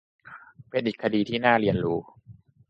เป็นอีกคดีที่น่าเรียนรู้